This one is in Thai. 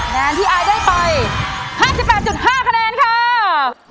แนนที่อายได้ไฟห้าสิบแปลงจุดห้าคะแนนครับ